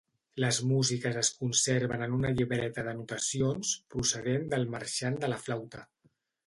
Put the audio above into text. Les músiques es conserven en una llibreta de notacions procedent del Marxant de la Flauta.